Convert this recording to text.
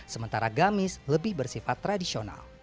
sementara gamis lebih bersifat tradisional